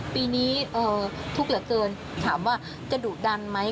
ปีนี้ทุกข์เหลือเกินถามว่าจะดุดันไหม